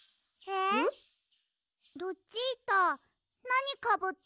えっ！